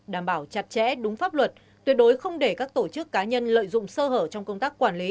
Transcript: đảm bảo chặt chẽ đúng pháp luật tuyệt đối không để các tổ chức cá nhân lợi dụng sơ hở trong công tác quản lý